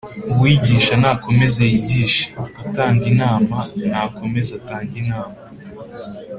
uwigisha nakomeze yigishe; utanga inama, nakomeze atange inama